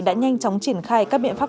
đã nhanh chóng triển khai các biện pháp